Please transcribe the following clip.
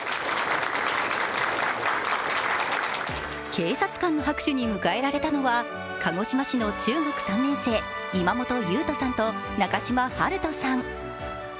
警察官の拍手に迎えられたのは鹿児島市の中学３年生、今元悠翔さんと中島悠斗さん。